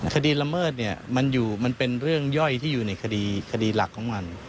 คดีลำเมิดเนี่ยมันเป็นเรื่องย่อยที่อยู่ในคดีหลักของมัน